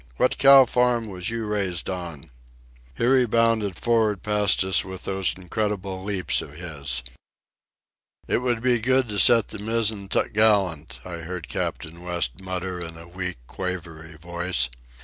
What cow farm was you raised on?" Here he bounded for'ard past us with those incredible leaps of his. "It would be good to set the mizzen topgallant," I heard Captain West mutter in a weak, quavery voice.